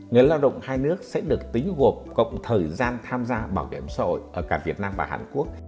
người lao động hai nước sẽ được tính gộp cộng thời gian tham gia bảo hiểm xã hội ở cả việt nam và hàn quốc